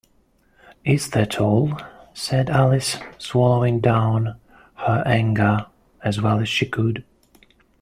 ‘Is that all?’ said Alice, swallowing down her anger as well as she could.